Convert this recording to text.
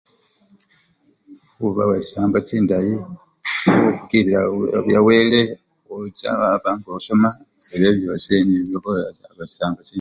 Khuba wechisambo chindayi khufukilila bya wele, khucha waba ngosoma, ebyo byosi bikhurerera chisambo chindayi.